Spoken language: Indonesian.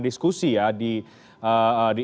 diskusi ya di